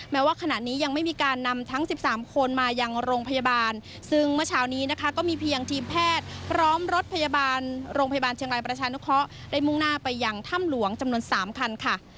แม้ว่าขณะนี้ยังไม่มีการนำทั้ง๑๓คนมายังโรงพยาบาลซึ่งเมื่อเช้านี้นะคะก็มีเพียงทีมแพทย์พร้อมรถพยาบาลโรงพยาบาลเชียงรายประชานุเคราะห์ได้มุ่งหน้าไปยังถ้ำหลวงจำนวน๓คันค่ะ